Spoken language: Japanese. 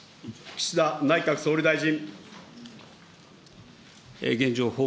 岸田内閣総理大臣。